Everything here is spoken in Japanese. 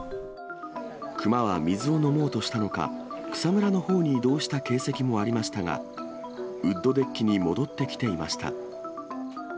クマは水を飲もうとしたのか、草むらのほうに移動した形跡もありましたが、ウッドデッキに戻ってきていました。